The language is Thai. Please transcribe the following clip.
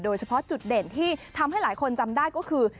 โดยเฉพาะจุดเด่นที่ทำให้หลายคนจำได้ก็คือ